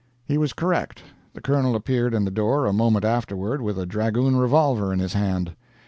He was correct. The Colonel appeared in the door a moment afterward with a dragoon revolver in his hand.